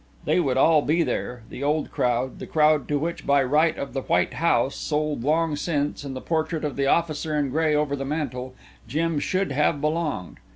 They would all be there the old crowd, the crowd to which, by right of the white house, sold long since, and the portrait of the officer in gray over the mantel, Jim should have belonged.